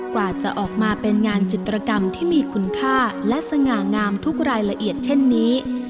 กว่าจะออกมาเป็นงานจิตรกรรมที่มีคุณค่าและสง่างามทุกรายละเอียดเช่นนี้